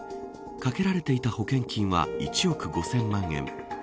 かけられていた保険金は１億５０００万円。